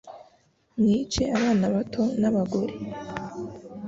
mwice abana bato n abagore